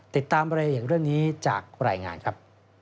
ติดตามเรื่องเรื่องนี้จากรายงานครับ